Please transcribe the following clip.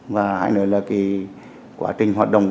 và hai nữa là quá trình hoạt động